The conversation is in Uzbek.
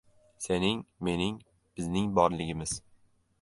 Sening, mening, Bizning borligimiz!